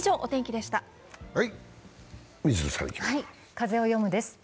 「風をよむ」です。